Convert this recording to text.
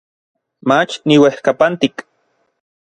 Mach niuejkapantik.